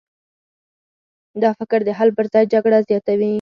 دا فکر د حل پر ځای جګړه زیاتوي.